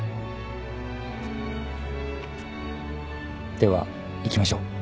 では行きましょう。